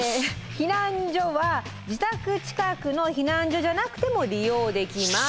避難所は自宅近くの避難所じゃなくても利用できます。